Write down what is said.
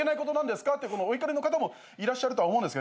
ってお怒りの方もいらっしゃるとは思うんです。